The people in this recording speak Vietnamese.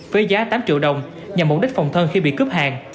với giá tám triệu đồng nhằm mục đích phòng thân khi bị cướp hàng